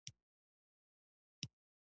افغانستان د تالابونه له امله شهرت لري.